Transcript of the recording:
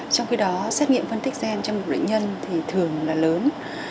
trong khi đó xét nghiệm phân tích gen trong một bệnh nhân thì thường là lớn